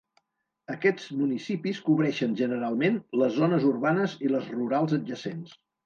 Aquests municipis cobreixen, generalment, les zones urbanes i les rurals adjacents.